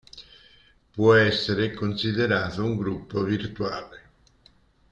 Può essere considerato un gruppo virtuale.